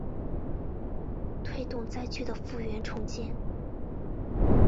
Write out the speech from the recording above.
推动灾区的复原重建